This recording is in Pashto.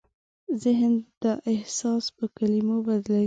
ذهن دا احساس په کلمو بدلوي.